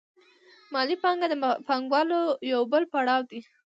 مالي پانګه د پانګوالۍ یو بل پړاو دی